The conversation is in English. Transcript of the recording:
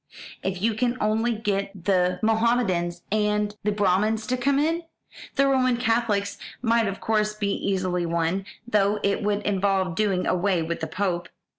If you can only get the Mohamedans and the Brahmins to come in! The Roman Catholics might of course be easily won, though it would involve doing away with the Pope.